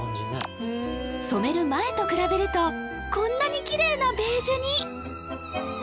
染める前と比べるとこんなにきれいなベージュに！